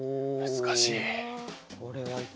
難しい。